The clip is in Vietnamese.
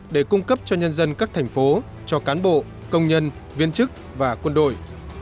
để cung cấp cho nhân dân các thành phố cho cán bộ công nhân viên chức và quân đội